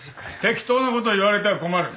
適当なこと言われては困る。